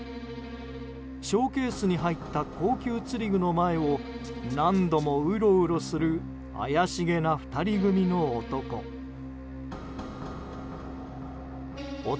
ショーケースに入った高級釣り具の前を何度もうろうろする怪しげな２人組の男。